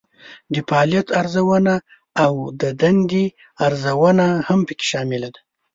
د فعالیت ارزونه او د دندې ارزونه هم پکې شامله ده.